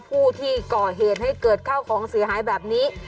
ผู้ที่ก่อเหตุให้เกิดข้าวของเสียหายแบบนี้